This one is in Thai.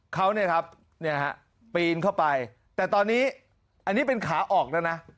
เขาเนี่ยครับปีนเข้าไปแต่ตอนนี้อันนี้เป็นขาออกแล้วนะ